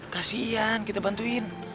kasian kita bantuin